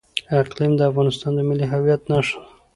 اقلیم د افغانستان د ملي هویت نښه ده.